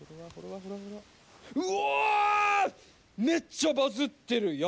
めっちゃバズってる。